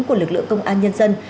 của lực lượng công an nhân dân